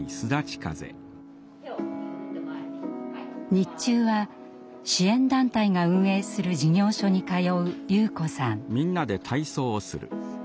日中は支援団体が運営する事業所に通う優子さん。